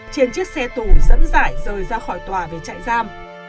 trên chiếc xe tù dẫn dại rời ra khỏi tòa về chạy giam